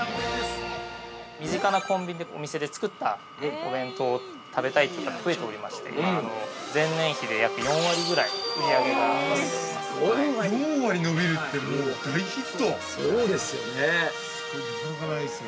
◆身近なコンビニでお店で作ったお弁当を食べたいという方が増えておりまして前年比で約４割ぐらい売上が伸びております。